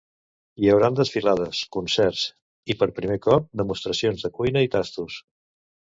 Hi hauran desfilades, concerts i, per primer cop, demostracions de cuina i tastos.